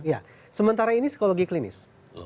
ya sementara ini psikologi klinis